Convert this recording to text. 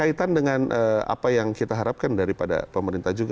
kaitan dengan apa yang kita harapkan daripada pemerintah juga